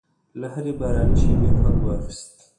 له هرې باراني شېبې خوند واخیست.